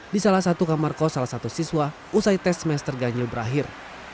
di salah satu kamar kos salah satu siswa usai tes semester ganjil berakhir